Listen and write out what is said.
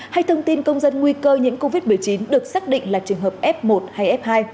hay thông tin công dân nguy cơ nhiễm covid một mươi chín được xác định là trường hợp f một hay f hai